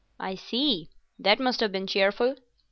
"I see. That must have been cheerful."